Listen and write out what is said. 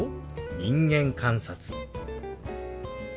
「人間観察」。